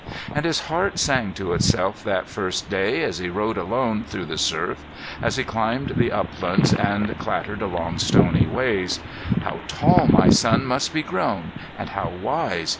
And his heart sang to itself that first day as he rode alone through the surf, as he climbed the uplands and clattered along stony ways, "How tall my son must be grown, and how wise!